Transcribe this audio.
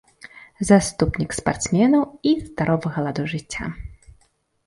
Заступнік спартсменаў і здаровага ладу жыцця.